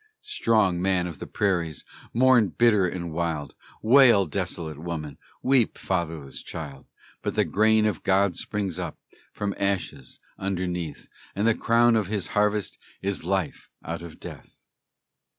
Strong man of the prairies, Mourn bitter and wild! Wail, desolate woman! Weep, fatherless child! But the grain of God springs up From ashes beneath, And the crown of his harvest Is life out of death.